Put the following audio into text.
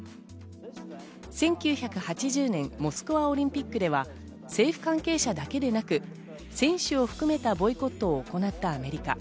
１９８０年、モスクワオリンピックでは、政府関係者だけでなく選手を含めたボイコットを行ったアメリカ。